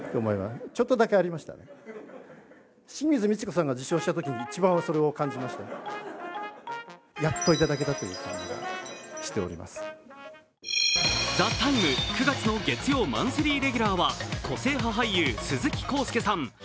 今回の受賞について「ＴＨＥＴＩＭＥ，」９月の月曜マンスリーレギュラーは個性派俳優・鈴木浩介さん。